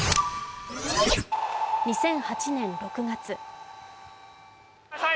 ２００８年６月。